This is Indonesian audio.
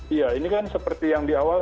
iya ini kan seperti yang di awal